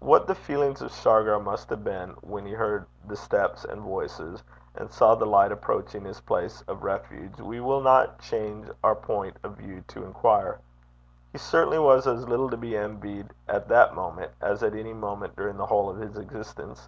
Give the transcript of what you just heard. What the feelings of Shargar must have been when he heard the steps and voices, and saw the light approaching his place of refuge, we will not change our point of view to inquire. He certainly was as little to be envied at that moment as at any moment during the whole of his existence.